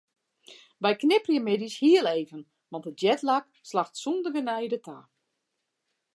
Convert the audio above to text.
Wy knipperje middeis hiel even want de jetlag slacht sonder genede ta.